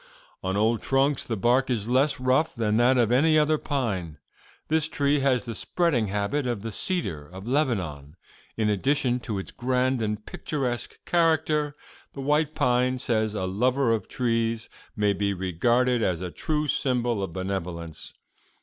On old trunks the bark is less rough than that of any other pine. This tree has the spreading habit of the cedar of Lebanon. In addition to its grand and picturesque character, the white pine, says a lover of trees, may be 'regarded as a true symbol of benevolence.